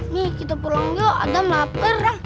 mie kita pulang yuk adam lapar